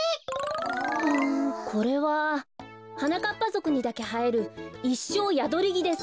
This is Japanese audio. うんこれははなかっぱぞくにだけはえるイッショーヤドリギです。